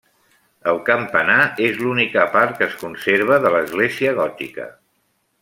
El campanar és l'única part que es conserva de l'església gòtica.